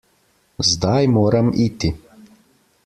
Zdaj moram iti.